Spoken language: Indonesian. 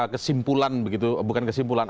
kesimpulan begitu bukan kesimpulan